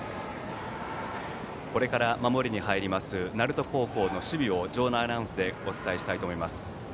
これから守りに入る鳴門高校の守備を場内アナウンスでお伝えしたいと思います。